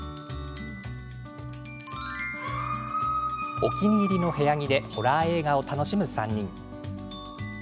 お気に入りの部屋着でホラー映画を楽しむ３人。